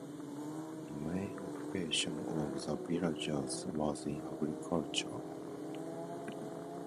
The main occupation of the villagers was in agriculture.